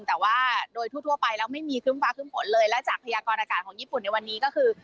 แต่ว่าโดยทั่วไปแล้วไม่มีครึ่งฟ้าครึ่งฝนเลยและจากพยากรอากาศของญี่ปุ่นในวันนี้ก็คือ